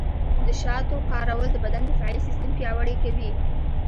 د شاتو کارول د بدن دفاعي سیستم پیاوړی کوي.